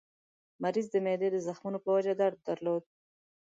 مریض د معدې د زخمونو په وجه درد درلود.